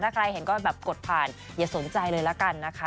ถ้าใครเห็นก็แบบกดผ่านอย่าสนใจเลยละกันนะคะ